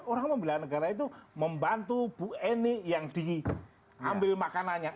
orang membela negara itu membantu bu eni yang diambil makanannya